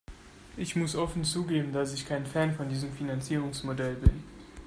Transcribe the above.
Ich muss offen zugeben, dass ich kein Fan von diesem Finanzierungsmodell bin.